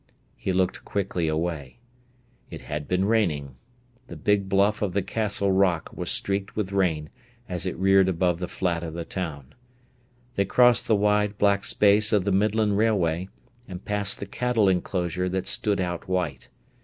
He looked quickly away. It had been raining. The big bluff of the Castle rock was streaked with rain, as it reared above the flat of the town. They crossed the wide, black space of the Midland Railway, and passed the cattle enclosure that stood out white.